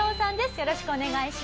よろしくお願いします。